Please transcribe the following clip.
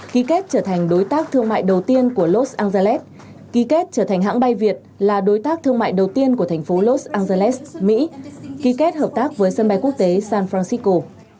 ký kết trở thành đối tác thương mại đầu tiên của los angelalet ký kết trở thành hãng bay việt là đối tác thương mại đầu tiên của thành phố los angeles mỹ ký kết hợp tác với sân bay quốc tế san francisco